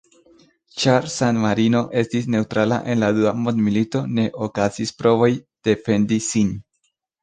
Ĉar San-Marino estis neŭtrala en la dua mondmilito, ne okazis provoj defendi sin.